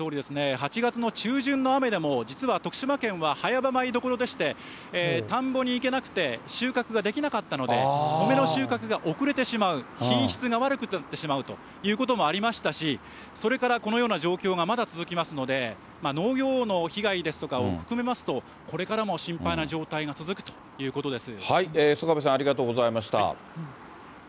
８月の中旬の雨でも、実は徳島県は早場米どころでして、田んぼに行けなくて収穫ができなかったので、米の収穫が遅れてしまう、品質が悪くなってしまうということもありましたし、それから、このような状況がまだ続きますので、農業の被害ですとかを含めますと、これからも心配な状態が続くということです。